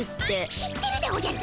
知ってるでおじゃる。